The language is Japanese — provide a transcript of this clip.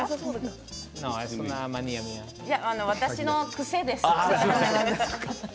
私の癖です。